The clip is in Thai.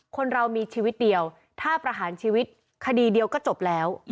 คนเรามีชีวิตเดียวถ้าประหารชีวิตคดีเดียวก็จบแล้ว